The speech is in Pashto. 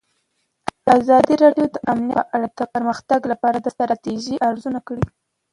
ازادي راډیو د امنیت په اړه د پرمختګ لپاره د ستراتیژۍ ارزونه کړې.